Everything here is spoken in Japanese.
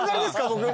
僕。